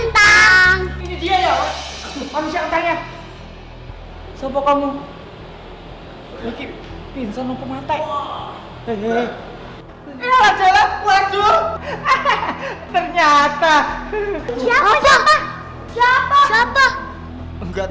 tapi ini doang